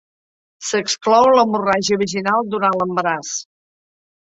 S'exclou l'hemorràgia vaginal durant l'embaràs.